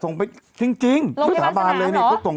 ส่งไปจริงสราบามต์เลย